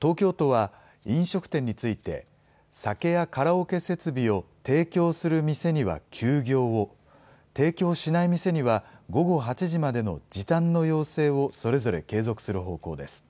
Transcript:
東京都は飲食店について、酒やカラオケ設備を提供する店には休業を、提供しない店には午後８時までの時短の要請をそれぞれ継続する方向です。